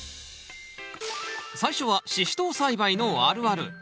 最初はシシトウ栽培のあるある。